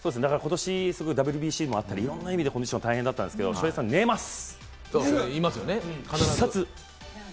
ことし、ＷＢＣもあったり、いろんな意味で大変だったんですけれども、翔平さん、寝ます。